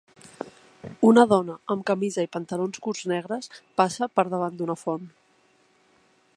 Una dona amb camisa i pantalons curts negres passa per davant d'una font.